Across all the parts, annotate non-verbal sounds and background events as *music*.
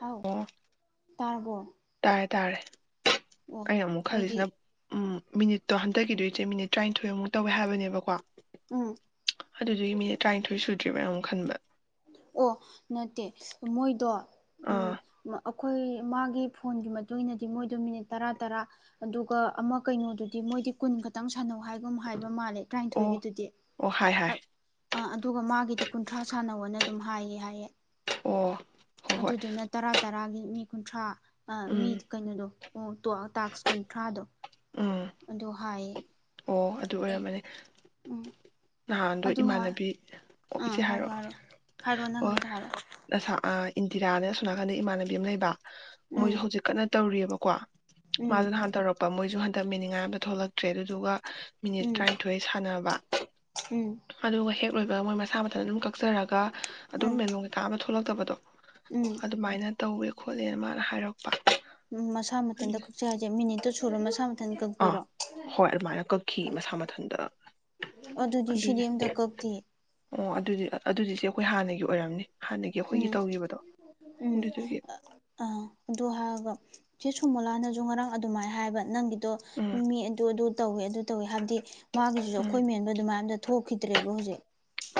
ꯍꯥꯎ ꯇꯔꯕꯣ ꯇꯔꯦ ꯑꯩꯅ ꯑꯃꯨꯛ ꯈꯜꯂꯤꯁꯤꯅ ꯎꯝ ꯃꯤꯅꯤꯠꯇꯣ ꯍꯟꯗꯛꯀꯤꯗꯣꯏꯁꯦ ꯃꯤꯅꯤꯠ ꯇꯔꯥꯅꯤꯊꯣꯏꯃꯨꯛ ꯇꯧꯋꯦ ꯍꯥꯏꯕꯅꯦꯕꯀꯣ ꯎꯝ ꯑꯗꯨꯗꯤ ꯃꯤꯅꯠ ꯇꯔꯥꯅꯤꯊꯣꯏ ꯁꯨꯗ꯭ꯔꯤꯕ ꯃꯌꯥꯝ ꯑꯃꯨꯛ ꯈꯟꯕ ꯑꯣ ꯅꯠꯇꯦ ꯃꯣꯏꯗꯣ ꯎꯝ ꯑꯥ ꯃ ꯑꯩꯈꯣꯏ ꯃꯥꯒꯤ ꯐꯣꯟꯒꯤ ꯃꯇꯨꯡ ꯏꯟꯅꯗꯤ ꯃꯣꯏꯗꯣ ꯃꯤꯅꯤꯠ ꯇꯔꯥ ꯇꯔꯥ ꯑꯗꯨꯒ ꯑꯃ ꯀꯩꯅꯣꯗꯨꯗꯤ ꯃꯣꯏꯗꯤ ꯀꯨꯟ ꯈꯛꯇꯪ ꯁꯥꯟꯅꯧ ꯍꯥꯏꯒꯨꯝ ꯑꯃ ꯍꯥꯏꯕ ꯃꯥꯜꯂꯦ ꯑꯣ ꯇꯔꯥꯅꯤꯊꯣꯏꯒꯤ ꯗꯨꯗꯤ ꯑꯣ ꯍꯥꯏ ꯍꯥꯏ ꯑꯥ ꯑꯗꯨꯒ ꯃꯒꯤꯗꯤ ꯀꯨꯟꯊꯔ ꯁꯟꯅꯧꯅ ꯑꯗꯨꯝ ꯍꯥꯏꯌꯦ ꯍꯥꯏꯌꯦ ꯑꯣ ꯍꯣꯏ ꯍꯣꯏ ꯑꯗꯨꯗꯨꯅ ꯇꯔꯥ ꯇꯔꯥꯒꯤ ꯃꯤ ꯀꯨꯟꯊ꯭ꯔꯥ ꯑ ꯃꯤ ꯎꯝ ꯀꯩꯅꯣꯗꯣ ꯇꯣ ꯇꯥꯛꯁ ꯀꯨꯟꯊ꯭ꯔꯥꯗꯣ ꯎꯝ ꯑꯗꯨ ꯍꯥꯏꯌꯦ ꯑꯣ ꯑꯗꯨ ꯑꯦ ꯑꯣꯏꯔꯝ ꯃꯅꯤ ꯎꯝ ꯅꯍꯥꯟꯗꯣ ꯑꯗꯨ ꯏꯃꯥꯟꯅꯕꯤ ꯑꯥ ꯑꯣ ꯏꯆꯦ ꯍꯥꯏꯔꯣ ꯍꯥꯏꯔꯛꯑꯣ ꯍꯥꯏꯔꯣ ꯍꯥꯏꯔꯣ ꯑꯣ ꯅꯪꯒꯤꯗꯣ ꯍꯥꯏꯔꯣ ꯅꯁꯥ ꯏꯟ ꯌꯥꯅꯤ ꯁꯣꯝ ꯅꯥꯀꯟꯗ ꯏꯃꯥꯟꯅꯕꯤ ꯑꯃ ꯂꯩꯕ ꯃꯣꯏꯁꯨ ꯎꯝ ꯍꯧꯖꯤꯛ ꯀꯟꯅ ꯇꯧꯔꯤꯌꯦꯕꯀꯣ ꯃꯥꯁꯨ ꯎꯝ ꯅꯍꯥꯟ ꯇꯧꯔꯛꯄ ꯃꯣꯏꯁꯨ ꯍꯟꯗꯛ ꯃꯦꯅꯤꯡꯉꯥꯏ ꯑꯝꯇ ꯊꯣꯛꯂꯛꯇ꯭ꯔꯦ ꯑꯗꯨꯗꯨꯒ ꯃꯤꯅꯤꯠ ꯎꯝ ꯇꯔꯥꯅꯤꯊꯣꯏ ꯁꯥꯟꯅꯕ ꯎꯝ ꯑꯗꯨꯒ ꯍꯦꯛ ꯂꯣꯏꯕ ꯃꯣꯏ ꯃꯁꯥ ꯃꯊꯟꯗ ꯑꯗꯨꯝ ꯀꯛꯆꯔꯒ ꯑꯥ ꯑꯗꯨꯝ ꯎꯝ ꯃꯦꯟꯕꯝ ꯀꯩꯀꯥ ꯑꯝꯇ ꯊꯣꯛꯂꯛꯇꯔꯒ ꯊꯣꯛꯂꯛꯇꯕꯗꯣ ꯎꯝ ꯑꯗꯨꯃꯥꯏꯅ ꯇꯧꯋꯦ ꯈꯣꯠꯂꯦꯅ ꯃꯥꯅ ꯍꯥꯏꯔꯛꯄ ꯎꯝ ꯃꯁꯥ ꯃꯊꯟꯗ ꯀꯛꯆꯩ ꯍꯥꯏꯁꯦ ꯃꯤꯅꯤꯠꯇꯨ ꯁꯨꯔ ꯃꯁꯥ ꯃꯊꯟ ꯑꯥ ꯀꯛꯄꯤꯔꯣ ꯍꯣꯏ ꯑꯗꯨꯃꯥꯏꯅ ꯀꯛꯈꯤ ꯃꯁꯥ ꯃꯊꯟꯇ ꯑꯗꯨꯗꯤ ꯁꯤꯗꯤ ꯑꯝꯇ ꯀꯛꯇꯤꯌꯦ ꯑꯣ ꯑꯗꯨꯗꯤ ꯑꯗꯨꯗꯤꯁꯦ ꯑꯩꯈꯣꯏ ꯍꯥꯟꯅꯒꯤ ꯑꯣꯏꯔꯝꯅꯤ ꯍꯥꯟꯅꯒꯤ ꯑꯩꯈꯣꯏꯒꯤ ꯎꯝ ꯇꯧꯈꯤꯕꯗꯣ ꯎꯝ ꯑꯗꯨꯗꯨꯒꯤ ꯁꯨꯃꯣꯂꯥ ꯅꯁꯨ ꯉꯔꯥꯡ ꯑꯗꯨꯃꯥꯏ ꯍꯥꯏꯕ ꯅꯪꯒꯤ ꯇꯣ ꯎꯝ ꯃꯤ ꯑꯗꯨ ꯑꯗꯨ ꯇꯧꯋꯦ ꯑꯗꯨ ꯇꯧꯋꯦ ꯍꯥꯏꯕꯗꯤ ꯃꯥꯒꯤꯁꯤꯁꯨ ꯎꯝ ꯑꯩꯈꯣꯏ ꯃꯦꯟꯕ ꯑꯗꯨꯃꯥꯏꯅ ꯊꯣꯛꯈꯤꯗ꯭ꯔꯦꯕ ꯍꯧꯖꯤꯛ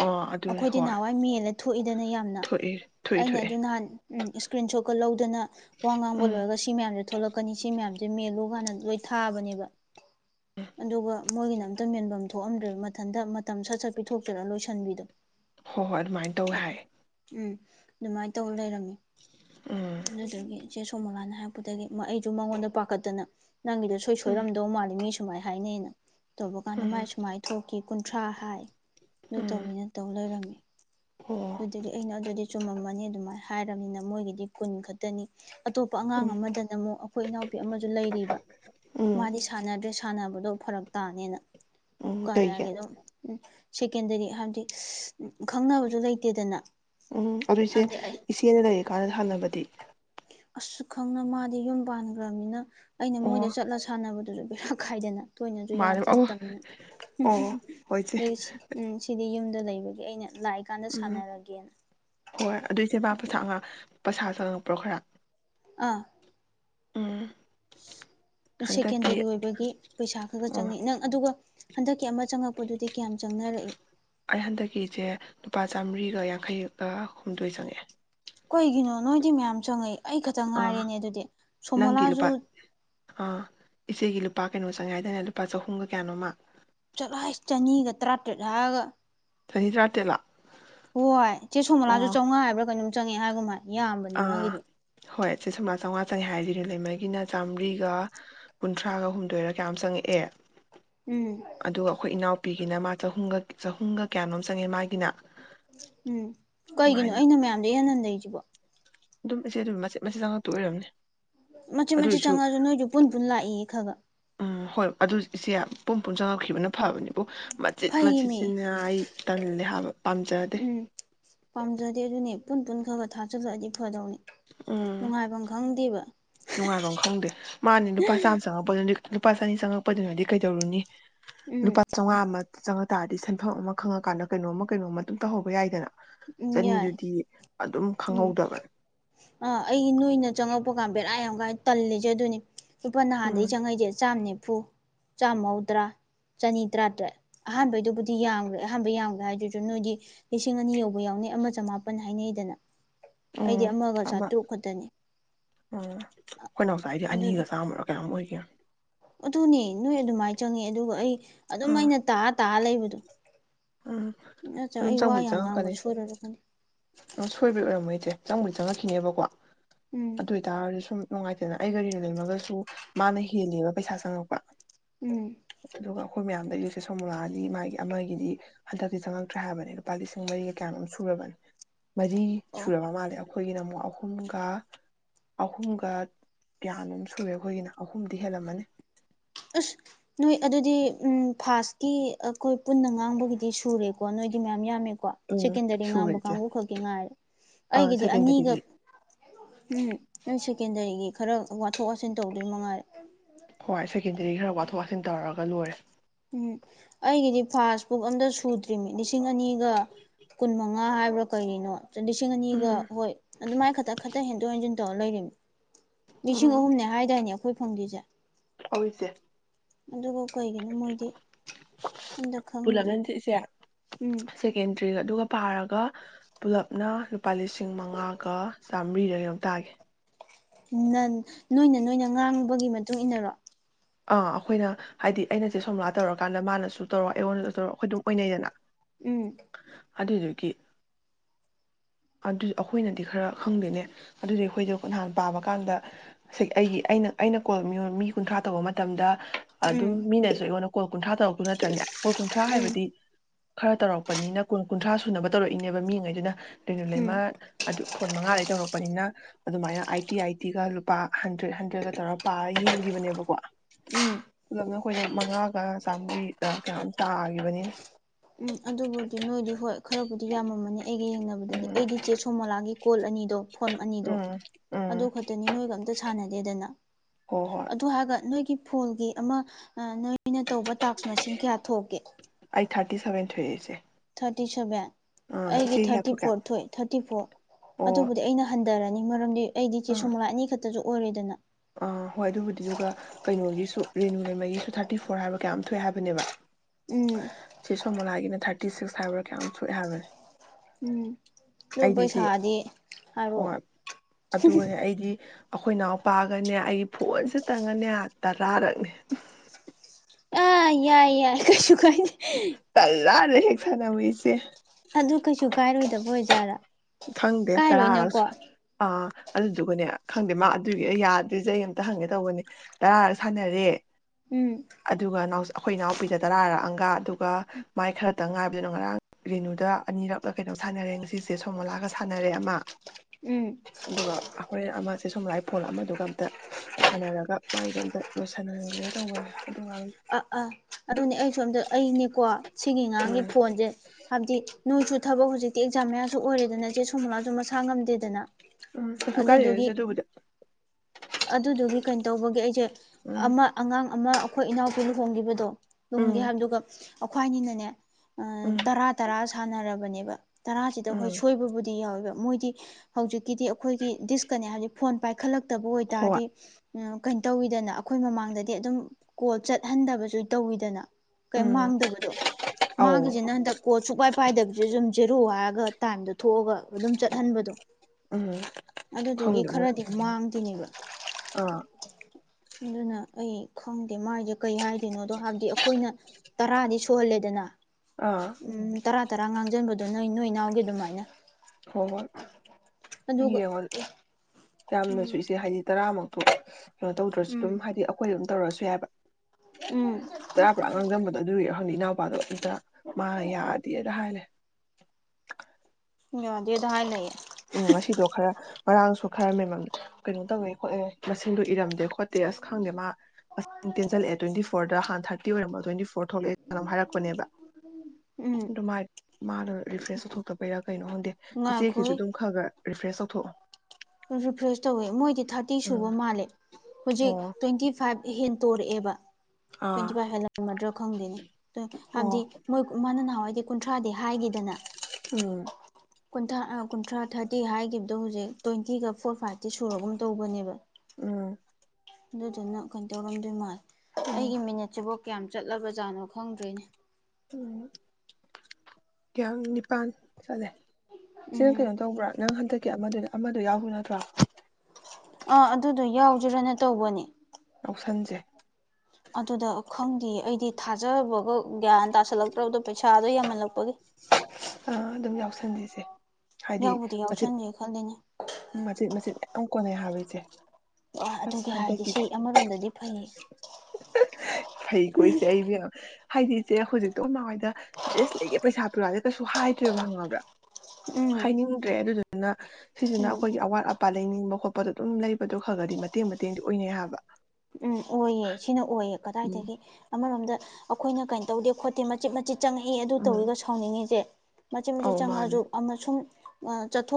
ꯑꯣ ꯑꯗꯨꯅꯦ ꯑꯩꯈꯣꯏꯗꯤ ꯍꯣꯏ ꯅꯍꯥꯟꯋꯥꯏ ꯃꯦꯜꯂ ꯊꯣꯛꯏꯗꯅ ꯌꯥꯝꯅ ꯊꯣꯛꯑꯦ ꯊꯣꯛꯏ ꯑꯩꯅ ꯊꯣꯛꯑꯦ ꯑꯗꯨ ꯅꯍꯥꯟ ꯎꯝ ꯏꯁꯀ꯭ꯔꯤꯟ ꯁꯣꯠꯀ ꯂꯧꯗꯅ ꯋꯥ ꯉꯥꯡꯕ ꯎꯝ ꯂꯣꯏꯔꯒ ꯁꯤ ꯃꯌꯥꯝꯁꯦ ꯊꯣꯛꯂꯛꯀꯅꯤ ꯁꯤ ꯃꯌꯥꯝꯁꯦ ꯃꯦꯜꯂꯨ ꯀꯥꯏꯅ ꯂꯣꯏ ꯊꯥꯕꯅꯦꯕ ꯑꯗꯨꯒ ꯃꯣꯏꯒꯤꯅ ꯑꯝꯇ ꯃꯦꯟꯐꯝ ꯊꯣꯛ ꯑꯝꯗ꯭ꯔꯦꯕ ꯃꯊꯟꯇ ꯃꯇꯝ ꯁꯠ ꯁꯠ ꯄꯤꯊꯣꯛꯄꯤꯔ ꯂꯣꯏꯁꯤꯟꯕꯤꯗꯣ ꯍꯣꯏ ꯍꯣꯏ ꯑꯗꯨꯃꯥꯏꯅ ꯇꯧꯋꯤ ꯍꯥꯏ ꯎꯝ ꯑꯗꯨꯃꯥꯏꯅ ꯇꯧ ꯂꯩꯔꯝꯃꯤ ꯎꯝ ꯑꯗꯨ ꯗꯨꯒꯤ ꯏꯆꯦ ꯁꯣꯃꯣꯂꯥꯅ ꯍꯥꯏꯔꯛꯄꯗꯒꯤ ꯑꯩꯁꯨ ꯃꯉꯣꯟꯗ ꯄꯥꯈꯠꯇꯅ ꯅꯪꯒꯤꯗꯣ ꯁꯣꯏ ꯎꯝ ꯁꯣꯏꯔꯝꯗꯧ ꯃꯥꯜꯂꯤ ꯃꯤ ꯁꯨꯃꯥꯏ ꯍꯥꯏꯅꯩꯅ ꯇꯕꯨ ꯀꯥꯟꯗ ꯎꯝ ꯃꯥꯥꯏꯁꯨꯨꯃꯥꯏ ꯊꯣꯛꯈꯤ ꯀꯨꯟꯊ꯭ꯔꯥ ꯍꯥꯏ ꯎꯝ ꯂꯨꯇꯧꯅꯦ *unintelligible* ꯇꯧ ꯂꯩꯔꯝꯃꯤ ꯑꯣ ꯑꯗꯨꯗꯒꯤ ꯑꯩꯅ ꯑꯗꯨꯗꯤ ꯆꯨꯝꯃꯝꯃꯅꯤ ꯑꯗꯨꯃꯥꯏꯅ ꯍꯥꯏꯔꯕꯅꯤꯅ ꯃꯣꯏꯒꯤꯗꯤ ꯀꯨꯟ ꯈꯛꯇꯅꯤ ꯑꯇꯣꯞꯄ ꯑꯉꯥꯡ ꯎꯝ ꯑꯃꯗꯅ ꯑꯃꯨꯛ ꯑꯩꯈꯣꯏ ꯏꯅꯥꯎꯄꯤ ꯑꯃꯁꯨ ꯂꯩꯔꯤꯕ ꯎꯝ ꯃꯥꯗꯤ ꯁꯥꯟꯅꯗ꯭ꯔꯦ ꯁꯥꯟꯅꯕꯗꯣ ꯐꯔꯛ ꯇꯥꯅꯦꯅ ꯎꯝ ꯀꯩꯒꯤ ꯀꯔꯥꯥꯒꯤꯗꯨꯝ ꯎꯝ ꯁꯦꯀꯦꯟꯗꯔꯤ ꯍꯥꯏꯕꯗꯤ ꯎ ꯈꯪꯅꯕꯁꯨ ꯂꯩꯇꯦꯗꯅ ꯎꯝ ꯑꯗꯨꯑꯣꯏꯁꯦ ꯍꯥꯏꯕꯗꯤ ꯑꯩ ꯏꯆꯦꯅ ꯂꯩꯔꯤꯀꯥꯟꯗ ꯁꯥꯟꯅꯕꯗꯤ ꯑꯁꯁꯨ ꯈꯪꯅ ꯃꯥꯗꯤ ꯌꯨꯝ ꯄꯥꯟꯈ꯭ꯔꯅꯤꯅ ꯑꯩꯅ ꯃꯣꯏꯗ ꯑꯣ ꯆꯠꯂ ꯁꯥꯟꯅꯕꯗꯣ ꯑꯗꯨꯗ ꯕꯤꯔꯥ ꯀꯥꯏꯗꯅ *unintelligible* ꯊꯣꯏꯅꯁꯨ ꯌꯥ ꯃꯥꯅꯦ ꯑꯣ ꯆꯠꯇꯕꯅ ꯑꯗꯨ ꯑꯣ ꯍꯣꯏ ꯆꯦ ꯎꯝ ꯁꯤꯗꯤ ꯌꯨꯝꯗ ꯂꯩꯕꯒꯤ ꯑꯩꯅ ꯂꯥꯛꯏꯀꯥꯟꯗ ꯎꯝ ꯁꯥꯟꯅꯔꯒꯦꯅ ꯍꯣꯏ ꯑꯗꯨꯏꯁꯦꯕꯥꯄꯁꯥ ꯑꯗꯒꯤ ꯉꯥ ꯄꯩꯁꯥ ꯁꯪꯉꯛꯄ꯭ꯔꯣ ꯈꯔ ꯑꯥ ꯎꯝ ꯍꯟꯗꯛꯀꯤ ꯁꯦꯀꯦꯟꯗꯔꯤ ꯑꯣꯏꯕꯒꯤ ꯄꯩꯁꯥ ꯈꯔ ꯈ ꯑꯣ ꯆꯪꯉꯤ ꯅꯪ ꯑꯗꯨꯒ ꯍꯟꯗꯛꯀꯤ ꯑꯃ ꯆꯪꯉꯛꯄꯗꯨꯗꯤ ꯀꯌꯥꯝ ꯆꯪꯅꯔꯛꯏꯦ ꯑꯩ ꯍꯟꯗꯛꯀꯤꯁꯦ ꯂꯨꯄꯥ ꯆꯥꯃꯔꯤꯒ ꯌꯥꯡꯈꯩꯒ ꯍꯨꯝꯗꯣꯏ ꯆꯪꯉꯛꯑꯦ ꯀꯩꯒꯤꯅꯣ ꯅꯣꯏꯗꯤ ꯃꯌꯥꯝ ꯆꯪꯉꯛꯏ ꯑꯩ ꯈꯛꯇ ꯑꯥ ꯉꯥꯏꯔꯦꯅꯦ ꯑꯗꯨꯗꯤ ꯅꯪꯒꯤ ꯂꯨꯄꯥ ꯁꯣꯃꯣꯂꯥꯁꯨ ꯑꯥ ꯏꯆꯦꯒꯤ ꯂꯨꯄꯥ ꯀꯩꯅꯣ ꯆꯪꯉꯦ ꯍꯥꯏꯗꯅꯦ ꯂꯨꯄꯥ ꯆꯍꯨꯝꯒ ꯀꯌꯥꯅꯣꯃ ꯆꯠꯂꯣꯍꯦ ꯆꯅꯤꯒ ꯇꯔꯥꯇꯔꯦꯠ ꯍꯥꯏꯔꯒ ꯆꯅꯤ ꯇꯔꯥ ꯇꯦꯠꯂꯥ ꯍꯣꯏ ꯏꯆꯦ ꯁꯣꯃꯣꯂꯥꯁꯨ ꯆꯥꯝꯉꯥ ꯍꯥꯏꯕ꯭ꯔꯥ ꯀꯩꯅꯣꯝ ꯆꯣꯡꯉꯦ ꯍꯥꯏꯒꯨꯝꯕ ꯑꯥ ꯍꯣꯏ ꯆꯦ ꯁꯣꯃꯣꯂꯥ ꯆꯧꯉꯥ ꯆꯪꯉꯦ ꯍꯥꯏꯔꯗꯤꯅꯦ ꯂꯩꯃꯒꯤꯅ ꯆꯥꯝꯃꯔꯤꯒ ꯀꯨꯟꯊ꯭ꯔꯥꯒ ꯍꯨꯝꯗꯣꯏꯔ ꯀꯌꯥ ꯆꯪꯉꯛꯑꯦ ꯎꯝ ꯑꯗꯨꯒ ꯑꯩꯈꯣꯏ ꯏꯅꯥꯎꯄꯤꯒꯤꯅ ꯃꯥ ꯆꯍꯨꯝꯒ ꯆꯍꯨꯝꯒ ꯀꯌꯥꯅꯣꯝ ꯆꯪꯉꯦ ꯃꯥꯒꯤ ꯎꯝ ꯀꯩꯒꯤꯅꯣ ꯑꯗꯨꯃꯥꯏꯅ ꯑꯩꯅ ꯃꯌꯥꯝꯗ ꯍꯦꯟꯅ ꯂꯩ ꯕ *unintelligible* ꯑꯗꯨꯝ ꯏꯆꯦ ꯗꯨꯝ ꯃꯆꯤꯠ ꯃꯆꯤꯠ ꯇꯣꯏꯔꯝꯅꯤ ꯃꯆꯤꯠ ꯃꯆꯤꯠ ꯑꯗꯨꯏꯁꯨ ꯆꯪꯉꯛꯑꯁꯨ ꯅꯣꯏꯁꯨ ꯄꯨꯟ ꯄꯨꯟ ꯂꯥꯛꯏ ꯈꯔ ꯈꯔ ꯎꯝ ꯍꯣꯏ ꯑꯗꯨ ꯏꯆꯦ ꯄꯨꯟ ꯄꯨꯨꯟꯅ ꯆꯪꯉꯛꯈꯤꯕꯅ ꯐꯕꯅꯦ ꯃꯆꯤꯠ ꯐꯩꯌꯦꯃꯤ ꯃꯆꯤꯠꯁꯤꯅ ꯑꯩ ꯇꯜꯂꯦ ꯍꯥꯏꯕ ꯄꯥꯝꯖꯗꯦ ꯄꯨꯨꯟ ꯄꯨꯟ ꯈꯔꯒ ꯊꯥꯆꯜꯂꯑꯗꯤ ꯐꯗꯧꯅꯤ ꯅꯨꯡꯉꯥꯏꯐꯝ ꯈꯪꯗꯦꯕ ꯅꯨꯡꯉꯥꯏꯐꯝ ꯈꯪꯗꯦ ꯃꯥꯅꯤ ꯂꯨꯄꯥ ꯆꯥꯝꯃ ꯆꯪꯉꯛꯄꯗ ꯂꯨꯄꯥ ꯆꯅꯤ ꯆꯪꯉꯛꯄꯗꯨꯅꯗꯤ ꯀꯩꯗꯧꯔꯨꯅꯤ ꯎꯝ ꯂꯨꯄꯥ ꯆꯧꯉꯥ ꯑꯃ ꯆꯪꯉ ꯇꯥꯔꯗꯤ ꯁꯦꯟꯐꯝ ꯑꯃ ꯈꯪꯉꯀꯥꯟꯗ ꯀꯩꯅꯣꯝꯃ ꯀꯩꯅꯣꯝꯃ ꯑꯗꯨꯝ ꯇꯧꯍꯧꯕ ꯌꯥꯏꯗꯅ ꯎꯝ ꯌꯥꯏ ꯆꯅꯤꯗꯨꯗꯤ ꯑꯗꯨꯝ ꯎꯝ ꯈꯪꯍꯧꯗꯕꯅꯦ ꯑ ꯑꯩ ꯅꯣꯏꯅ ꯆꯪꯉꯛꯄ ꯕꯦꯔꯥ ꯌꯥꯝ ꯀꯥꯏ ꯇꯜꯂꯤꯁꯦ ꯑꯗꯨꯅꯤ ꯂꯨꯄꯥ ꯎꯝ ꯅꯍꯥꯟꯗꯒꯤ ꯆꯪꯉꯏꯁꯦ ꯆꯥꯝꯅꯦꯕ ꯅꯤꯐꯨ ꯆꯥꯝꯃꯧꯗ꯭ꯔꯥ ꯆꯅꯤ ꯇꯔꯥꯇꯔꯦꯠ ꯑꯍꯥꯟꯕꯩꯗꯨꯕꯨꯗꯤ ꯌꯥꯝ ꯑꯍꯥꯟꯕ ꯌꯥꯝꯒꯦ ꯍꯥꯏꯗꯨꯁꯨ ꯅꯣꯏꯗꯤ ꯂꯤꯁꯤꯡ ꯑꯅꯤ ꯌꯧ ꯌꯥꯎꯅꯤ ꯑꯃ ꯆꯃꯥꯄꯟ ꯍꯥꯏꯅꯩꯗꯅ ꯑꯩꯗꯤ ꯎꯝ ꯑꯃꯒ ꯑꯃ ꯆꯥꯇ꯭ꯔꯨꯛ ꯈꯛꯇꯅꯤ ꯎꯝ ꯑꯩꯈꯣꯏꯅ ꯅꯥꯎꯆꯥꯗꯤ ꯑꯗꯨ ꯑꯅꯤꯒ ꯆꯥꯝꯃꯔ ꯀꯌꯥꯃꯨꯛ ꯑꯣꯏꯒꯦ ꯀ *inaudible* ꯑꯗꯨꯅꯦ ꯅꯣꯏ ꯑꯗꯨꯃꯥꯏꯅ ꯆꯪꯉꯦ ꯑꯗꯨꯒ ꯑꯩ ꯑꯗꯨꯝ ꯑꯥ ꯑꯩꯅ ꯇꯥ ꯇꯥ ꯂꯩꯕ ꯍꯣ *inaudible* ꯎꯝ ꯑꯗꯨꯝ ꯆꯪ ꯉꯥꯡꯕ ꯁꯣꯏꯔꯨꯔꯕꯅꯤ ꯆꯪꯕꯨꯗꯤ ꯆꯪꯉꯛꯈꯤꯅꯦꯕꯀꯣ ꯎꯝ ꯑꯗꯨ ꯑꯣꯏꯇꯥꯔꯗꯤ ꯁꯨꯝ ꯅꯨꯡꯉꯥꯏꯇꯅ ꯑꯩꯒꯥ ꯔꯤꯂꯤ ꯂꯩꯃꯒꯁꯨ ꯃꯥꯅ ꯍꯦꯂꯦꯕ ꯄꯩꯁꯥ ꯆꯪꯉꯛꯄ ꯎꯝ ꯑꯗꯨꯒ ꯑꯩꯈꯣꯏ ꯃꯌꯥꯝꯗꯒꯤꯗꯒꯤ ꯆꯦ ꯁꯣꯃꯂꯥꯗꯤ ꯃꯥꯒꯤ ꯑꯃꯒꯤꯗꯤ ꯍꯟꯗꯛꯇꯤ ꯆꯪꯉꯛꯇ꯭ꯔꯦ ꯍꯥꯏꯕꯅꯤ ꯂꯨꯄꯥ ꯂꯤꯁꯤꯡ ꯃꯔꯤꯒ ꯀꯌꯥꯃꯣꯛ ꯁꯨꯔꯕꯅꯤ ꯃꯔꯤ ꯑꯣ ꯁꯨꯔꯕ ꯃꯥꯜꯂꯦ ꯑꯩꯈꯣꯏꯒꯤꯅ ꯑꯃꯨꯛ ꯑꯍꯨꯝꯒ ꯑꯍꯨꯝꯒ ꯀꯌꯥꯟꯣꯝ ꯑꯃ ꯁꯨꯔꯦ ꯑꯩꯈꯣꯏꯒꯤꯅ ꯑꯍꯨꯝꯗꯤ ꯍꯦꯜꯂꯝꯃꯅꯤ ꯑꯁ ꯅꯣꯏ ꯑꯗꯨꯗꯤ ꯎꯝ ꯐꯥꯥꯁꯀꯤ ꯑꯩꯈꯣꯏ ꯄꯨꯟꯅ ꯉꯥꯡꯕꯒꯤꯗꯤ ꯁꯨꯔꯦꯀꯣ ꯅꯣꯏꯗꯤ ꯃꯌꯥꯝ ꯌꯥꯝꯃꯦ ꯀꯣ ꯎꯝ ꯁꯦꯀꯦꯟꯗꯔꯤ ꯁꯨꯔꯦ ꯉꯥꯡꯕ ꯏꯆꯦ ꯀꯥꯡꯕꯨ ꯈꯛꯀꯤ ꯉꯥꯏꯔꯦ ꯑꯥ ꯑꯩꯒꯤꯗꯤ ꯁꯦꯀꯦꯟꯗꯔꯤꯒꯤ ꯑꯅꯤꯈꯛ ꯎꯝ ꯑꯩ ꯁꯦꯀꯦꯟꯗꯔꯤꯒꯤ ꯈꯔ ꯋꯥꯊꯣꯛ ꯋꯥꯁꯤꯟ ꯇꯧꯗꯣꯏ ꯃꯥ ꯉꯥꯏꯔꯦ ꯁꯤꯗꯒꯤ ꯈꯔ ꯋꯥꯊꯣꯛ ꯋꯥꯥꯁꯤꯟ ꯇꯧꯔꯒ ꯂꯣꯏꯔꯦ ꯎꯝ ꯑꯩꯒꯤꯗꯤ ꯐꯥꯁꯕꯨꯛ ꯑꯝꯇ ꯁꯨꯗ꯭ꯔꯤꯅꯤ ꯂꯤꯁꯤꯡ ꯑꯅꯤ ꯀꯨꯟ ꯃꯉꯥ ꯍꯥꯏꯕ *unintelligible* ꯂꯤꯁꯤꯡ ꯑꯅꯤꯒ ꯎꯝ ꯍꯣꯏ ꯑꯗꯨꯃꯥꯏ ꯈꯛꯇ ꯈꯛꯇ ꯍꯦꯟꯗꯣꯛ ꯍꯦꯟꯖꯤꯟ *unintelligible* ꯂꯤꯁꯤꯡ ꯎꯝ ꯑꯍꯨꯝꯅꯦ ꯍꯥꯏꯗꯥꯏꯅꯦ ꯑꯩꯈꯣꯏ ꯐꯪꯗꯧꯁꯦ ꯑꯧ ꯏꯆꯦ ꯑꯗꯨ ꯀꯩꯒꯤꯅꯣ ꯃꯣꯏꯗꯤ ꯑꯝꯇ ꯈꯪꯗ꯭ꯔꯦ ꯎꯝ ꯭ꯗꯔꯤꯒ ꯑꯗꯨꯒ ꯄꯥꯔꯒ ꯄꯨꯂꯞꯅ ꯂꯨꯄꯥ ꯂꯤꯁꯤꯡ ꯃꯉꯥꯒ ꯆꯥꯃꯔꯤꯔ ꯀꯩꯅꯣꯝ ꯇꯥꯒꯤ ꯅꯪ ꯅꯣꯏꯅ ꯅꯣꯏꯅ ꯉꯥꯡꯕꯒꯤ ꯃꯇꯨꯡ ꯏꯟꯅꯔꯣ ꯑꯥ ꯑꯩꯈꯣꯏꯅ ꯍꯥꯏꯗꯤ ꯑꯩꯅ ꯆꯦ ꯁꯣꯃꯣꯂꯥ ꯇꯧꯔꯀꯥꯟꯗ ꯃꯥꯅꯁꯨ ꯇꯧꯔꯣ ꯑꯩꯉꯣꯟꯗꯁꯨ ꯇꯧꯔꯣ ꯑꯩꯈꯣꯏ ꯑꯗꯨꯝ ꯑꯣꯏꯅꯩꯗꯅ ꯎꯝ ꯑꯗꯨꯗꯨꯒꯤ ꯑꯗꯨ ꯑꯩꯈꯣꯏꯅꯗꯤ ꯈꯔ ꯈꯪꯗꯦꯅꯦ ꯑꯗꯨꯗꯤ ꯑꯩꯈꯣꯏꯗꯣ ꯅꯍꯥꯟ ꯄꯥꯕ ꯀꯥꯟꯗ ꯉꯁꯥꯏ ꯑꯩꯒꯤ ꯑꯩꯅ ꯑꯩꯅ ꯀꯣꯜ ꯃꯤ ꯀꯨꯟꯊ꯭ꯔꯥ ꯇꯧꯕ ꯃꯇꯝ ꯃꯇꯝꯗ ꯑꯗꯨꯝ ꯎꯝ ꯃꯤꯅꯁꯨ ꯑꯩꯉꯣꯟꯗ ꯀꯣꯜ ꯀꯨꯟꯊ꯭ꯔꯥ ꯇꯧꯔꯛꯇꯨ ꯅꯠꯇ꯭ꯔꯅꯦ ꯀꯣꯜ ꯀꯨꯟꯊ꯭ꯔꯥ ꯎꯝ ꯍꯥꯏꯕꯗꯤ ꯈꯔ ꯇꯧꯔꯛꯄꯅꯤꯅ ꯀꯨꯟ ꯀꯨꯟꯊ꯭ꯔꯥ ꯁꯨꯅꯕ ꯇꯧꯔꯛꯏ ꯅꯦꯕ ꯃꯤꯉꯩꯗꯨꯅ ꯀꯩꯅꯣ ꯎꯝ ꯂꯩꯃ ꯑꯗꯨ ꯐꯣꯟ ꯃꯉꯥꯗꯒꯤ ꯇꯧꯔꯛꯄꯅꯤꯅ ꯑꯗꯨꯃꯥꯏꯅ ꯑꯥꯏ ꯇꯤ ꯑꯥꯏ ꯇꯤꯒ ꯂꯨꯄꯥ ꯍꯟꯗ꯭ꯔꯦꯗ ꯍꯟꯗ꯭ꯔꯦꯗꯀ ꯇꯧꯔ ꯄꯥꯔ ꯌꯦꯡꯈꯤꯕꯅꯦꯕꯀꯣ ꯎꯝ ꯄꯨꯂꯞꯅ ꯑꯩꯈꯣꯏꯅ ꯃꯉꯥꯒ ꯆꯥꯃꯔꯤꯗꯔ ꯀꯌꯥꯅꯣꯝ ꯇꯥꯈꯤꯕꯅꯤꯅꯦ ꯎꯝ ꯑꯗꯨꯕꯨꯗꯤ ꯅꯣꯏꯗꯤ ꯍꯣꯏ ꯈꯔꯕꯨꯗꯤ ꯌꯥꯝꯃꯝꯃꯅꯤ ꯑꯩꯒ ꯌꯦꯡꯅꯕꯗꯗꯤ ꯎꯝ ꯑꯩꯗꯤ ꯆꯦ ꯁꯣꯃꯣꯂꯥꯒꯤ ꯀꯣꯜ ꯑꯅꯤ ꯐꯣꯟ ꯑꯅꯤꯗꯣ ꯎꯝ ꯎꯝ ꯑꯗꯨ ꯈꯛꯇꯅꯤ ꯅꯣꯏꯒ ꯑꯝꯇ ꯁꯥꯟꯅꯗꯦꯗꯅ ꯍꯣꯏ ꯍꯣꯏ ꯑꯗꯨ ꯍꯥꯏꯒ ꯅꯣꯏꯒꯤ ꯐꯣꯟꯒꯤ ꯑꯃ ꯅꯣꯏꯅ ꯇꯧꯕ ꯇꯥꯛꯁ ꯃꯁꯤꯡ ꯀꯌꯥ ꯊꯣꯛꯀꯦ ꯑꯩ ꯊꯥꯔꯇꯤ ꯁꯕꯦꯟ ꯊꯣꯛꯏ ꯏꯆꯦ ꯊꯔꯇꯤ ꯁꯕꯦꯟ ꯑꯥ ꯑꯩꯒꯤ ꯏꯆꯦ ꯊꯥꯔꯇꯤ ꯌꯥꯊꯣꯛꯀꯦ ꯐꯣꯔ ꯊꯣꯛꯑꯦ ꯊꯥꯔꯇꯤ ꯐꯣꯔ ꯑꯣ ꯑꯗꯨꯕꯨꯗꯤ ꯑꯩꯅ ꯍꯟꯊꯔꯅꯤ ꯃꯔꯝꯗꯤ ꯑꯩꯗꯤ ꯑꯥ ꯆꯦꯁꯣꯂꯥꯒꯤ ꯑꯅꯤ ꯈꯛꯇ ꯇꯁꯨ ꯑꯣꯏꯔꯦꯗꯅ ꯑꯥ ꯍꯣꯏ ꯑꯗꯨꯕꯨꯗꯤꯗꯨ ꯀꯩꯅꯣꯒꯤꯁꯨ ꯔꯦꯅꯨ ꯂꯩꯃꯒꯤꯁꯨ ꯊꯥꯔꯇꯤ ꯐꯣꯔ ꯍꯥꯏꯕ ꯀꯌꯥ ꯅꯣꯝ ꯊꯣꯛꯑꯦ ꯍꯥꯏꯕꯅꯦꯕ ꯎꯝ ꯆꯦꯁꯣꯂꯥꯒꯤꯅ ꯊꯥꯔꯇꯤ ꯁꯤꯛꯁ ꯍꯥꯏꯕ꯭ꯔꯥ ꯀꯌꯥꯝ ꯊꯣꯛꯑꯦ ꯍꯥꯏꯕꯅꯤ ꯎꯝ ꯑꯗꯨ ꯄꯩꯁꯥꯗꯤ ꯍꯥꯏꯔꯛꯑꯣ ꯍꯣꯏ ꯑꯩꯈꯣꯏꯅꯥꯡ ꯄꯥꯒꯅꯦ ꯑꯩ ꯐꯣꯟꯁꯦ ꯇꯪꯉꯅꯦ ꯇꯔꯥꯔꯛꯅꯦ ꯑ ꯌꯥꯏ ꯌꯥꯏ ꯀꯩꯁꯨ ꯀꯥꯏꯗꯦ ꯁꯟꯅꯕꯣ ꯏꯆꯦ ꯑꯗꯨ ꯀꯩꯁꯨ ꯀꯥꯏꯔꯣꯏꯗꯕ ꯑꯣꯖꯥꯠꯔ ꯈꯪꯗꯦ ꯇꯔꯥꯁꯨ ꯑꯥꯎ ꯑ ꯑꯗꯨꯗꯨꯒꯅꯦ ꯈꯪꯗꯦ ꯃꯥ ꯑꯗꯨꯒꯤ ꯌꯥꯗ꯭ꯔꯤꯁꯦ ꯑꯩ ꯑꯃꯝꯇ ꯍꯪꯒꯦ ꯇꯧꯕꯅꯦ ꯇꯔꯥꯔ ꯁꯥꯟꯅꯔꯦ ꯎꯝ ꯑꯗꯨꯒ ꯅꯥꯎ ꯑꯩꯈꯣꯏ ꯏꯅꯥꯎꯄꯤꯗ ꯇꯔꯥꯔꯛꯑꯒ ꯑꯗꯨꯒ ꯃꯥꯏ ꯈꯔꯗꯪ ꯉꯥꯏꯕꯗꯨꯅ ꯉꯔꯥꯡ ꯔꯦꯅꯨꯗ ꯑꯅꯤꯔꯛ ꯀꯩꯅꯣ ꯁꯥꯟꯅꯔꯦ ꯉꯁꯤꯁꯦ ꯁ ꯁꯣꯃꯣꯂꯥꯒ ꯁꯥꯟꯅꯔꯦ ꯑꯃ ꯎꯝ ꯑꯩꯈꯣꯏ ꯑꯃꯁꯦ ꯁꯨꯝ ꯃꯥꯏ ꯐꯣꯟꯜ ꯑꯃꯗꯨꯒ ꯑꯝꯇ ꯁꯥꯟꯅꯔꯒ ꯃꯥꯏꯒ ꯑꯝꯇ ꯂꯣꯏꯁꯟꯍꯟꯒꯦ ꯇꯧꯕꯅꯦ ꯑꯗꯨ ꯉꯥꯡ ꯑꯥ ꯑꯥ ꯑꯗꯨꯅꯦ ꯑꯩ ꯁꯣꯝꯗ ꯑꯩꯅꯦꯀꯣ ꯁꯤꯒꯤ ꯉꯥꯥꯡꯒꯤ ꯎꯝ ꯐꯣꯟꯁꯦ ꯍꯥꯏꯕꯗꯤ ꯅꯣꯏꯁꯨ ꯊꯕꯛ ꯍꯧꯖꯤ ꯍꯧꯖꯤꯛꯇꯤ ꯑꯦꯛꯖꯥ ꯃꯌꯥꯝꯁꯨ ꯑꯣꯏꯔꯦꯗꯅꯦ ꯑꯈꯣꯏ ꯃꯥꯃꯥ ꯁꯨ ꯃꯁꯥ ꯉꯝꯗꯦꯗꯅ ꯎꯝ ꯀꯩꯁꯨ ꯀꯥꯏꯗꯦꯗ ꯑꯗꯨꯗꯨꯒꯤ ꯑꯗꯨꯕꯨꯗ ꯑꯗꯨꯗꯨꯒꯤ ꯀꯩꯅꯣ ꯇꯧꯕꯒꯤ ꯑꯩꯁꯦ ꯎꯝ ꯑꯃ ꯑꯉꯥꯡ ꯑꯃ ꯑꯩꯈꯣꯏ ꯏꯅꯥꯎꯄꯤ ꯂꯨ ꯍꯣꯡꯈꯤꯕꯗꯣ ꯂꯨꯍꯣꯡꯈꯤ ꯎꯝ ꯍꯥꯏ ꯑꯗꯨꯒ ꯑꯩꯈ꯭ꯋꯥꯏꯅꯤꯅꯅꯦ ꯎꯝ ꯇꯔꯥ ꯇꯔꯥ ꯁꯥꯟꯅꯔꯕꯅꯦꯕ ꯇꯔꯥꯁꯤꯗ ꯑꯩꯈꯣꯏ ꯎꯝ ꯁꯣꯏꯕꯕꯨꯗꯤ ꯌꯥꯎꯏ ꯃꯣꯏꯗꯤ ꯍꯧꯖꯤꯛꯀꯤꯗꯤ ꯑꯩꯈꯣꯏ ꯍꯥꯏ ꯗꯤꯁ ꯀꯥꯅꯦꯛ ꯍꯥꯏꯗꯤ ꯐꯣꯟ ꯄꯥꯏꯈꯠꯂꯛ ꯍꯣꯏ ꯇꯥꯗꯤ ꯀꯩꯅꯣ ꯇꯧꯋꯤꯗꯅ ꯑꯩꯈꯣꯏ ꯃꯃꯥꯡꯗꯗꯤ ꯑꯗꯨꯝ ꯀꯣꯜ ꯆꯠꯍꯟꯗꯕꯁꯨ ꯇꯧꯋꯤꯗꯅ ꯀꯩ ꯎꯝ ꯃꯥꯡꯗꯕꯗꯣ ꯑꯧ ꯃꯥꯡꯉꯁꯤꯅ ꯍꯟꯗꯛ ꯀꯣꯜ ꯁꯨꯛꯄꯥꯏ ꯄꯥꯏꯗꯕꯁ ꯁꯨꯝ ꯖꯦꯔꯣ ꯍꯥꯏꯔꯒ ꯒ ꯇꯥꯏꯝꯗꯣ ꯊꯣꯛꯑꯒ ꯑꯗꯨꯝ ꯆꯠꯍꯟꯕꯗꯣ ꯎꯝ ꯑꯗꯨꯗꯨꯒꯤ ꯈꯪꯗꯦ ꯃꯣꯏ ꯈꯔꯗꯤ ꯃꯥꯡꯗꯣꯏꯅꯦꯕ ꯑꯥ ꯑꯗꯨꯅ ꯑꯩ ꯈꯪ ꯃꯥꯏꯖꯦ ꯀꯩ ꯍꯥꯏꯗꯣꯏ ꯅꯣꯗꯣ ꯍꯥꯏꯗꯤ ꯑꯩꯈꯣꯏꯅ ꯇꯔꯥꯗꯤ ꯁꯨꯗꯦ ꯄꯣꯜꯂꯦꯗꯅ ꯑꯥ ꯎꯝ ꯇꯔ ꯇꯔꯥ ꯉꯥꯡꯖꯟꯕꯗꯣ ꯅꯣꯏ ꯅꯣꯏ ꯏꯅꯥꯎꯒꯤ ꯑꯗꯨꯃꯥꯏꯅ ꯍꯣꯏ ꯍꯣꯏ ꯑꯗꯨꯒ ꯌꯦꯡꯉꯣ ꯌꯥꯝꯅꯁꯨ ꯎꯝ ꯏꯆꯦ ꯍꯥꯏꯗꯤ ꯇꯔꯥꯃꯨꯛ *unintelligible* ꯀꯩꯅꯣ ꯇꯧꯗ꯭ꯔꯁꯨ ꯎꯝ ꯑꯗꯨꯝ ꯍꯥꯏꯗꯤ ꯑꯩꯈꯣꯏ ꯇꯧꯔꯁꯨ ꯌꯥꯏꯕ ꯇꯔꯥ ꯄꯨꯔꯥ ꯉꯥꯡꯖꯕꯗꯣ ꯑꯗꯨꯏꯔꯥ ꯍꯪꯗꯦ ꯏꯅꯥꯎꯄꯥꯗꯣ ꯑꯝꯇ ꯃꯥꯅ ꯌꯥꯗꯦꯗ ꯍꯥꯏ ꯂꯩ ꯌꯥꯗꯦꯗ ꯍꯥꯏ ꯂꯩꯌꯦ ꯎꯝ ꯉꯁꯤꯗꯣ ꯈꯔ ꯉꯔꯥꯡꯁꯨ ꯈꯔ ꯃꯦꯝꯕꯝ ꯀꯩꯅꯣ ꯇꯧꯋꯦ ꯈꯣꯠꯂꯦ ꯃꯁꯤꯡꯗꯣ ꯏꯔꯝꯗꯦ ꯈꯣꯠꯇꯦ ꯑꯁ ꯈꯪꯗꯦ ꯃꯥ ꯃꯁꯤꯡ ꯇꯦꯟꯖꯜꯂꯛꯑꯦ ꯇ꯭ꯋꯦꯟꯇꯤ ꯐꯣꯔꯗ ꯍꯥꯟꯅ ꯊꯥꯔꯇꯤ ꯑꯣꯏꯔꯝꯕ ꯇ꯭ꯋꯦꯟꯇꯤ ꯐꯣꯔ ꯊꯣꯛꯂꯛꯑꯦ ꯑꯗꯨꯃꯥꯏ ꯍꯥꯏꯔꯛꯄꯅꯦꯕ ꯎꯝ ꯑꯗꯨꯃꯥꯏꯅ ꯃꯥꯗꯣ ꯔꯤꯐ꯭ꯔꯦꯁ ꯇꯊꯣꯛꯇꯕꯩꯔꯥ ꯀꯩꯅꯣ ꯈꯪꯗꯦ ꯏꯆꯦꯒꯤꯁꯨ ꯉꯥꯏꯈꯣꯍꯦ ꯑꯗꯨꯝ ꯔꯤꯐ꯭ꯔꯦꯁ ꯇꯧꯊꯣꯛꯑꯣ ꯔꯤꯐ꯭ꯔꯦꯁ ꯇꯧꯋꯦ ꯃꯣꯏꯗꯤ ꯊꯥꯔꯇꯤ ꯁꯨꯕ ꯎꯝ ꯃꯥꯜꯂꯦ ꯍꯧꯖꯤꯛ ꯑꯣ ꯇ꯭ꯋꯦꯟꯇꯤ ꯐꯥꯏꯚ ꯍꯦꯟꯇꯣꯔꯛ ꯑꯦꯕ ꯑꯥ ꯇ꯭ꯋꯦꯟꯇꯤ ꯐꯥꯏꯚ ꯍꯦꯜꯂꯝꯃꯗ꯭ꯔꯥ ꯈꯪꯗꯦꯅꯦ ꯑꯣ ꯍꯥꯏꯕꯗꯤ ꯃꯣꯏ ꯃꯥꯅ ꯅꯍꯥꯟ ꯋꯥꯏ ꯀꯨꯟꯊ꯭ꯔꯥꯗꯤ ꯍꯥꯏꯈꯤꯗꯅ ꯎꯝ ꯀꯨꯟꯊ꯭ꯔꯥ ꯀꯨꯟꯊ꯭ꯔꯥ ꯊꯥꯔꯇꯤ ꯍꯥꯏꯈꯤꯕꯗꯣ ꯍꯧꯖꯤꯛ ꯇ꯭ꯋꯦꯟꯇꯤꯒ ꯐꯣꯔ ꯐꯥꯏꯚꯇꯤ ꯁꯨꯔꯒꯨꯝ ꯇꯧꯕꯅꯦꯕ ꯎꯝ ꯑꯗꯨꯗꯨ ꯅ ꯀꯩꯅꯣ ꯇꯧꯔꯝ ꯗꯣꯏ ꯃꯥꯜꯂꯦ ꯎꯝ ꯑꯩꯒꯤ ꯃꯤꯅꯠ ꯁꯤꯕꯨ ꯀꯌꯥꯝ ꯆꯠꯂꯕ ꯖꯥꯠꯅꯣ ꯈꯪꯗ꯭ꯔꯦꯅꯦ ꯎꯝ ꯅꯤꯄꯜ ꯆꯠꯂꯦ ꯁꯤꯅ ꯎꯝ ꯀꯩꯅꯣ ꯇꯧꯕ꯭ꯔꯥ ꯅꯪ ꯍꯟꯗꯛ ꯑꯃꯗꯨꯅꯦ ꯑꯃꯗꯣ ꯌꯥꯎꯗꯣꯏ ꯅꯠꯇ꯭ꯔꯣ ꯑꯥ ꯑꯗꯨꯗꯣ ꯌꯥꯎꯁꯤꯔꯅ ꯇꯧꯕꯅꯦ ꯌꯎꯁꯟꯁꯦ ꯑꯗꯨꯗ ꯈꯪꯗꯦ ꯑꯩꯗꯤ ꯊꯥꯖꯕꯒ ꯒ꯭ꯌꯥꯟ ꯇꯥꯥꯁꯜꯂꯛꯇ꯭ꯔꯕꯗꯣ ꯄꯩꯁꯥꯗꯣ ꯌꯥꯝꯍꯜꯂꯛꯄꯒꯤ ꯑ ꯑꯗꯨꯝ ꯌꯥꯎꯁꯟꯗꯤ ꯏꯆꯦ ꯍꯥꯏꯗꯤ ꯌꯥꯎꯕꯨꯗꯤ ꯃꯆꯤꯠ ꯌꯥꯎꯁꯟꯒꯦ ꯈꯜꯂꯤꯅꯦ ꯃꯆꯤꯠ ꯃꯆꯤꯠ ꯃꯌꯥꯝ ꯀꯣꯟꯅꯩ ꯍꯥꯏꯕ ꯏꯆꯦ ꯑꯣ ꯑꯁ ꯑꯗꯨꯒꯤ ꯍꯥꯏꯔꯗꯤ ꯁꯤ ꯍꯟꯗꯛꯀꯤꯁꯦ ꯑꯃꯔꯣꯝꯗꯗꯤ ꯐꯩꯌꯦ ꯐꯩꯀꯣ ꯏꯆꯦ ꯑꯩ ꯏꯕꯦꯝꯃ ꯍꯥꯏꯗꯤ ꯏꯁꯦ ꯍꯧꯖꯤꯛꯇꯣ ꯑꯩꯈꯣꯏ ꯃꯥ ꯍꯣꯏꯗ ꯗ꯭ꯔꯦꯁ ꯂꯩꯒꯦ ꯄꯩꯁꯥ ꯄꯤꯔꯛꯎ ꯍꯥꯏꯕꯁꯦ ꯀꯩꯁꯨ ꯍꯥꯏꯗ꯭ꯔꯦꯕ ꯈꯪꯉꯕ꯭ꯔꯥ ꯎꯝ ꯍꯥꯏꯅꯤꯡꯗ꯭ꯔꯦ ꯑꯗꯨꯗꯨꯅ ꯄꯅꯥ ꯁꯤꯁꯤꯅ ꯎꯝ ꯑꯩꯈꯣꯏꯒꯤ ꯑꯋꯥꯠ ꯑꯞ ꯄꯥ ꯂꯩꯅꯤꯡꯕ ꯈꯣꯠꯄꯗꯣ ꯑꯗꯨꯝ ꯂꯩꯕꯗꯣ ꯈꯔꯒꯗꯤ ꯃꯇꯦꯡ ꯃꯇꯦꯡꯗꯤ ꯑꯣꯏꯅꯩ ꯍꯥꯏꯕ ꯎꯝ ꯑꯣꯏꯌꯦ ꯁꯤꯅ ꯑꯣꯏꯌꯦ ꯎꯝ ꯀꯗꯥꯏꯗꯒꯤ ꯑꯃꯔꯣꯝꯗ ꯑꯩꯈꯣꯏꯅ ꯀꯩꯅꯣ ꯇꯧꯗꯦ ꯈꯣꯠꯇꯦ ꯃꯆꯤꯠ ꯃꯆꯤꯠ ꯆꯪꯉꯛꯏ ꯑꯗꯨ ꯎꯝ ꯇꯧꯏꯒ ꯁꯥꯎꯅꯤꯡ ꯉꯤꯁꯦ ꯃꯆꯤꯠ ꯃꯆꯤꯠ ꯑꯧ ꯃꯥꯅꯦ ꯆꯪꯉꯛꯁꯨ ꯑꯃꯁꯨꯡ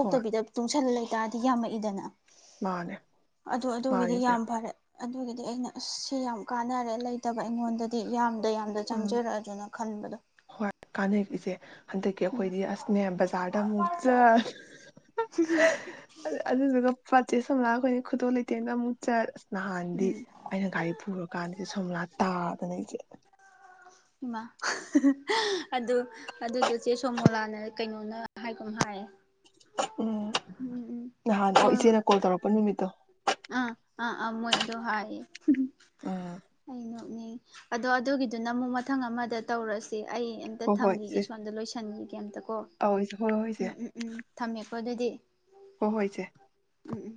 ꯍꯣꯏ ꯇꯨꯡꯁꯜꯂꯦ ꯌꯥꯝꯗꯤ ꯌꯥꯝꯃꯛꯏꯗꯅ ꯃꯥꯅꯦ ꯑꯗꯨ ꯃꯥꯅꯦ ꯑꯗꯨꯒꯤꯗꯤ ꯏꯆꯦ ꯌꯥꯝ ꯐꯔꯦ ꯑꯗꯨꯒꯤꯗꯤ ꯑꯩꯅ ꯑꯁ ꯁꯤ ꯌꯥꯝ ꯀꯥꯟꯅꯔꯦ ꯂꯩꯇꯕ ꯑꯩꯉꯣꯟꯗꯗꯤ ꯌꯥꯝ ꯗ ꯌꯥꯝꯗ ꯎꯝ ꯆꯪꯖꯔꯛ ꯑꯁꯨ ꯈꯟꯕꯗꯣ ꯍꯣꯏ ꯀꯥꯟꯅꯩ ꯏꯆꯦ ꯍꯟꯗꯛꯀꯤ ꯑꯩꯈꯣꯏꯗꯤ ꯑꯁ ꯅꯦ ꯕꯖꯥꯔꯗ ꯑꯃꯨꯛ ꯆꯠ ꯑꯗꯨꯗꯨꯒ ꯃ ꯆꯦ ꯁꯣꯝꯃꯣꯂꯥ ꯑꯈꯣꯏ ꯈꯨꯗꯣꯜ ꯂꯩꯇꯦꯡꯗꯒ ꯑꯃꯨꯛ ꯆꯠ ꯅꯍꯥꯟꯗꯤ ꯎꯝ ꯑꯩꯅ ꯒꯥꯔꯤ ꯄꯨꯔꯀꯥꯟꯗ ꯁꯣꯝꯃꯣꯂꯥ ꯇꯥ ꯑꯗ ꯏꯆꯦ ꯏꯃ ꯑꯗꯨ ꯑꯗꯨꯗ ꯆꯦ ꯁꯣꯃꯣꯂꯥꯅ ꯀꯩꯅꯣꯅ ꯍꯥꯏꯒꯨꯝ ꯍꯥꯏ ꯎꯝ ꯎꯝ ꯎꯝ ꯅꯍꯥꯟ ꯑꯣ ꯍꯣꯏ ꯍꯣꯏ ꯏꯆꯦꯅ ꯀꯣꯜ ꯇꯧꯔꯛꯄ ꯅꯨꯃꯤꯠꯇꯣ ꯑ ꯑ ꯑ ꯃꯣꯏꯗ ꯨꯍꯥꯏ ꯎꯝ ꯎꯍꯝ ꯎ ꯉꯥ ꯑꯗꯣ ꯑꯗꯨꯒꯤꯗꯨꯅ ꯑꯃꯨꯛ ꯃꯊꯪ ꯑꯃꯗ ꯇꯧꯔꯁꯤ ꯑꯩ ꯑꯝꯇ ꯍꯣꯏ ꯍꯣꯏ ꯊꯝꯈꯤꯒꯦ ꯏꯆꯦ ꯁꯣꯝꯗ ꯂꯣꯏꯁꯤꯟꯈꯤꯒꯦ ꯑꯝꯇ ꯀꯣ ꯑꯧ ꯏꯆꯦ ꯍꯣꯏ ꯍꯣꯏ ꯎꯝ ꯎꯝ ꯎꯝ ꯊꯝꯃꯦ ꯀꯣ ꯑꯗꯨꯗꯤ ꯍꯣ ꯍꯣꯏ ꯏꯆꯦ ꯎꯝ ꯎꯝ